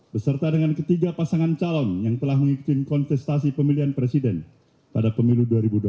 beserta dengan ketiga pasangan calon yang telah mengikuti kontestasi pemilihan presiden pada pemilu dua ribu dua puluh empat